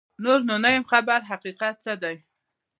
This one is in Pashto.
نور نو نه یمه خبر حقیقت څه دی